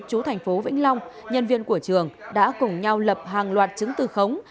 chú thành phố vĩnh long nhân viên của trường đã cùng nhau lập hàng loạt chứng từ khống